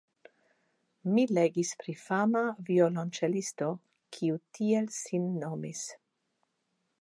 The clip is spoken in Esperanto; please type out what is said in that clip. Mi legis pri fama violonĉelisto, kiu tiel sin nomis.